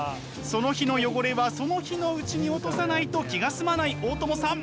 その日の汚れはその日のうちに落とさないと気が済まない大友さん。